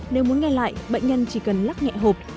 nếu muốn nghe lại bệnh nhân chỉ cần lắc nhẹ hộp